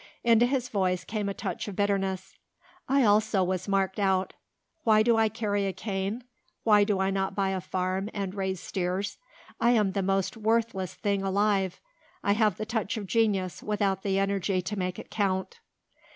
Into his voice came a touch of bitterness. "I also was marked out. Why do I carry a cane? why do I not buy a farm and raise steers? I am the most worthless thing alive. I have the touch of genius without the energy to make it count."